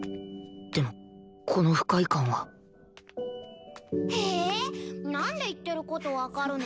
でもこの不快感はええ！なんで言ってる事わかるの？